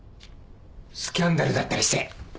スキャンダルだったりして。